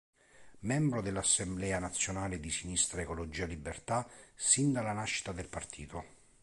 Membro dell'Assemblea nazionale di Sinistra Ecologia Libertà sin dalla nascita del partito.